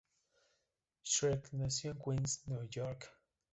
Scheck, nació en Queens, Nueva York.